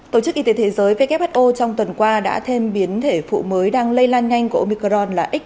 tổ chức y tế thế giới who trong tuần qua đã thêm biến thể phụ mới đang lây lan nhanh